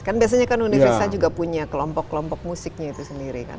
kan biasanya kan universitas juga punya kelompok kelompok musiknya itu sendiri kan